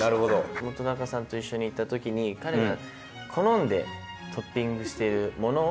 本さんと一緒に行った時に彼が好んでトッピングしているものを。